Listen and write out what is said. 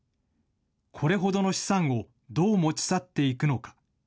これほどの資産をどう持ち去っていくのか。